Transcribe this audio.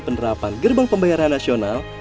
penerapan gerbang pembayaran nasional